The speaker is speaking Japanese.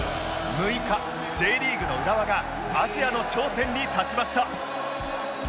６日 Ｊ リーグの浦和がアジアの頂点に立ちました